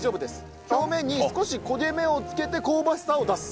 表面に少し焦げ目をつけて香ばしさを出す。